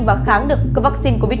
và kháng được covid một mươi chín